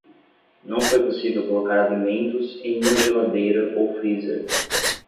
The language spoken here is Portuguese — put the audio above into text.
Não foi possível colocar alimentos em uma geladeira ou freezer.